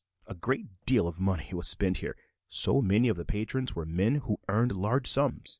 A great deal of money was spent here, so many of the patrons were men who earned large sums.